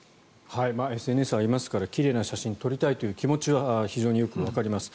ＳＮＳありますから奇麗な写真を撮りたいという気持ちは非常によくわかります。